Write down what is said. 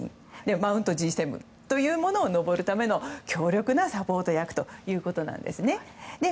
マウントＧ７というものを登るための強力なサポート役ということなんです。